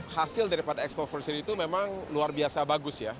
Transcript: hasil daripada expo version itu memang luar biasa bagus ya